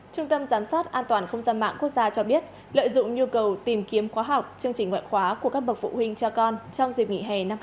trung tâm giám sát an toàn không gian mạng quốc gia cho biết lợi dụng nhu cầu tìm kiếm khóa học chương trình ngoại khóa của các bậc phụ huynh cho con trong dịp nghỉ hè năm hai nghìn hai mươi bốn